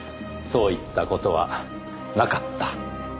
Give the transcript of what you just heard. そういった事はなかった？